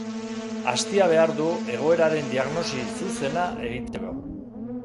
Astia behar du egoeraren diagnosi zuzena egiteko.